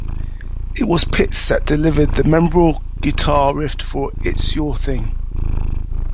It was Pitts that delivered the memorable guitar riff for "It's Your Thing".